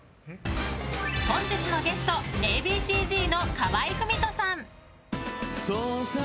本日のゲストＡ．Ｂ．Ｃ‐Ｚの河合郁人さん。